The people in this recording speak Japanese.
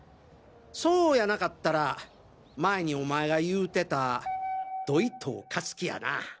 そうやなかったら前にお前が言うてた土井塔克樹やな。